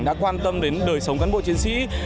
đã quan tâm đến đời sống cán bộ chiến sĩ